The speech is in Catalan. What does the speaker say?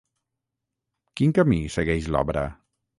Quin camí segueix l'obra?